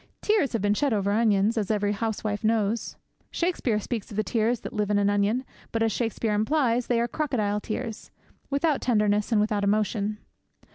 Tears have been shed over onions, as every housewife knows. Shakespeare speaks of the tears that live in an onion. But, as Shakespeare implies, they are crocodile tears without tenderness and without emotion.